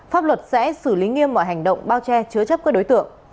pháp luật sẽ xử lý nghiêm mọi hành động bao che chứa chấp các đối tượng